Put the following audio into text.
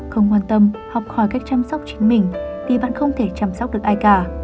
không quan tâm học hỏi cách chăm sóc chính mình thì bạn không thể chăm sóc được ai cả